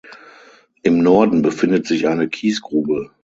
Im Norden befindet sich eine Kiesgrube.